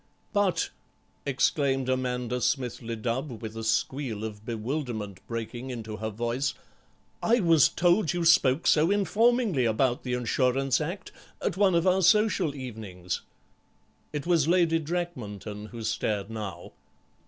"But," exclaimed Amanda Smithly Dubb, with a squeal of bewilderment breaking into her voice, "I was told you spoke so informingly about the Insurance Act at one of our social evenings." It was Lady Drakmanton who stared now.